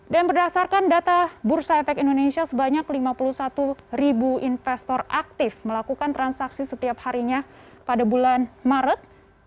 berdasarkan data bursa efek indonesia sebanyak lima puluh satu ribu investor aktif melakukan transaksi setiap harinya pada bulan maret